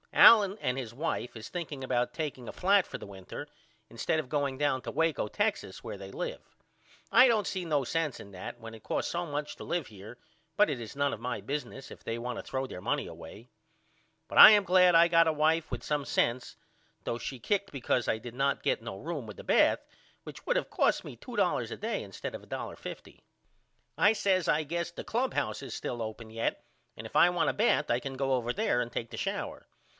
Allen and his wife is thinking about takeing a flat for the winter instead of going down to Waco Texas where they live. I don't see no sense in that when it costs so much to live here but it is none of my business if they want to throw their money away. But I am glad I got a wife with some sense though she kicked because I did not get no room with a bath which would cost me $2 a day instead of $1.50. I says I guess the clubhouse is still open yet and if I want a bath I can go over there and take the shower.